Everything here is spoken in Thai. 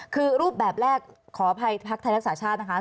คือรูปแบบแรกขออภัยพักไทยรักษาชาตินะคะ